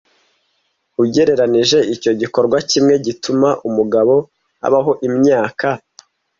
Ugereranije icyo igikorwa kimwe gituma umugabo abaho imyaka